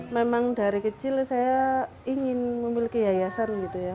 memang dari kecil saya ingin memiliki yayasan gitu ya